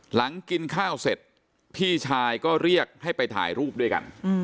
หลังกินข้าวเสร็จพี่ชายก็เรียกให้ไปถ่ายรูปด้วยกัน